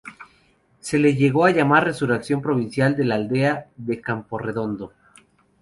Se le llegó a llamar "Resurrección Provincial de la aldea de Camporredondo".